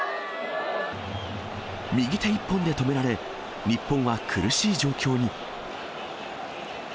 右手一本で止められ日本は苦しい状況に。